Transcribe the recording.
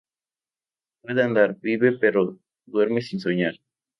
Puede andar, vive, pero duerme sin soñar.